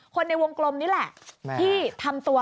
ในวงกลมนี่แหละที่ทำตัว